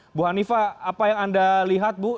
ibu hanifah apa yang anda lihat bu